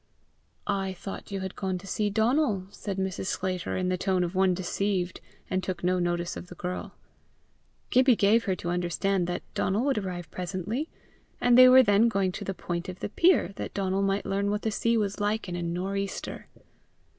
"I thought you had gone to see Donal," said Mrs. Sclater, in the tone of one deceived, and took no notice of the girl. Gibbie gave her to understand that Donal would arrive presently, and they were then going to the point of the pier, that Donal might learn what the sea was like in a nor' easter.